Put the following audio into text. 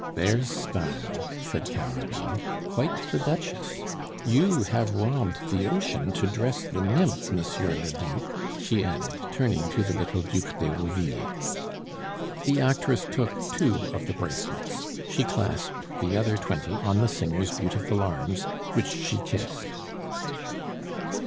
"There's style!" said Carabine. "Quite the Duchess! You have robbed the ocean to dress the nymph, Monsieur le Duc," she added turning to the little Duc d'Herouville. The actress took two of the bracelets; she clasped the other twenty on the singer's beautiful arms, which she kissed.